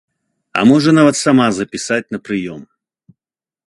А можа нават сама запісаць на прыём.